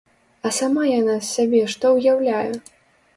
А сама яна з сябе што ўяўляе?